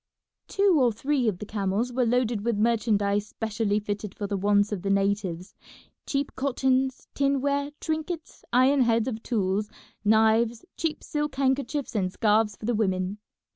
Two or three of the camels were loaded with merchandise specially fitted for the wants of the natives: cheap cottons, tinware, trinkets, iron heads of tools, knives, cheap silk handkerchiefs and scarves for the women.